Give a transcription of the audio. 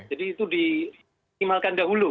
jadi itu dioptimalkan dahulu